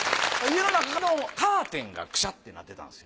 家の中のカーテンがクシャッてなってたんですよ。